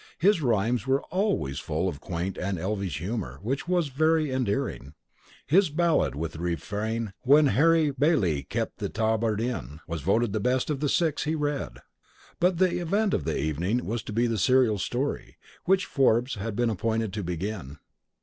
His rhymes were always full of quaint and elvish humour which was very endearing. His ballade with the refrain "When Harry Baillie kept the Tabard Inn," was voted the best of the six he read. But the event of the evening was to be the serial story, which Forbes had been appointed to begin.